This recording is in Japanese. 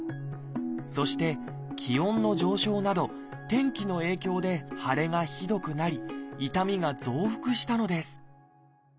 そして気温の上昇など天気の影響で腫れがひどくなり痛みが増幅したのです。